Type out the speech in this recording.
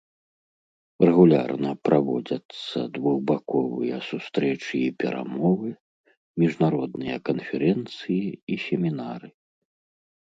Рэгулярна праводзяцца двухбаковыя сустрэчы і перамовы, міжнародныя канферэнцыі і семінары.